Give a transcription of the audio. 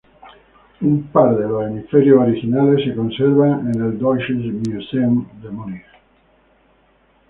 Un par de los hemisferios originales se conservan en el Deutsches Museum de Múnich.